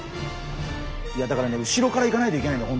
いやだからね後ろからいかないといけないんだよ